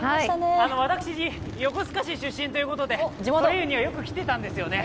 私、横須賀市出身ということで、ソレイユにはよく来ていたんですよね。